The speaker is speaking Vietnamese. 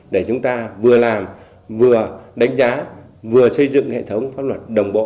để chúng ta vừa làm vừa đánh giá vừa xây dựng hệ thống pháp luật đồng bộ